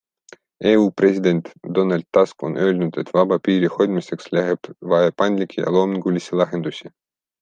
EU president Donald Tusk on öelnud, et vaba piiri hoidmiseks läheb vaja paindlike ja loomingulisi lahendusi.